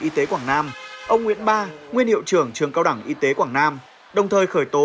y tế quảng nam ông nguyễn ba nguyên hiệu trưởng trường cao đẳng y tế quảng nam đồng thời khởi tố